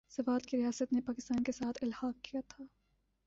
سوات کی ریاست نے پاکستان کے ساتھ الحاق کیا تھا ۔